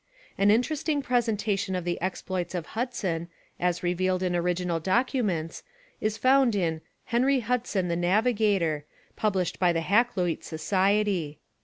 An interesting presentation of the exploits of Hudson, as revealed in original documents, is found in Henry Hudson, the Navigator, published by the Hakluyt Society.